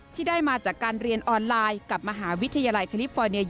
ที่ได้มาจากการเรียนออนไลน์กับมหาวิทยาลัยคาลิปฟอร์เนีย